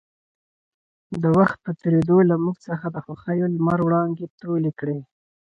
د وخـت پـه تېـرېدو لـه مـوږ څـخـه د خـوښـيو لمـر وړانـګې تـولې کـړې.